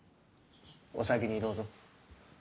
お先にどーぞ。